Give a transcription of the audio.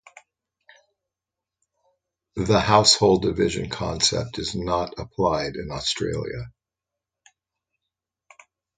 The household division concept is not applied in Australia.